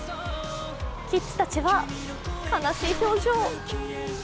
キッズたちは悲しい表情。